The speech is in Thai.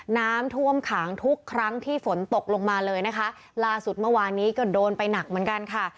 น้ำท่วมขังทุกครั้งที่ฝนตกลงมาเลยนะคะล่าสุดเมื่อวานนี้ก็โดนไปหนักเหมือนกันค่ะ